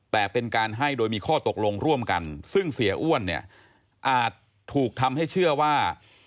แต่เป็นการให้โดยมีข้อตกลงร่วมกันซึ่งเสียอ้วนเนี่ยอาจถูกทำให้เชื่อว่า